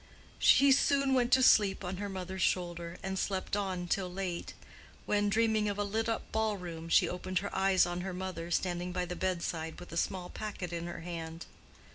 She soon went to sleep on her mother's shoulder, and slept on till late, when, dreaming of a lit up ball room, she opened her eyes on her mother standing by the bedside with a small packet in her hand.